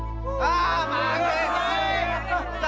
secara urusan dengar saya in anyway